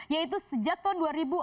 yaitu sejak tahun dua ribu empat belas